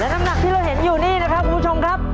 น้ำหนักที่เราเห็นอยู่นี่นะครับคุณผู้ชมครับ